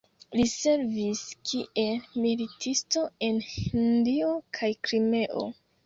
Li servis kiel militisto en Hindio kaj Krimeo.